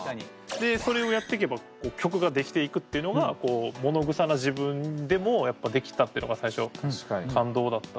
でそれをやってけばこう曲が出来ていくっていうのがものぐさな自分でもやっぱ出来たっていうのが最初感動だったんで。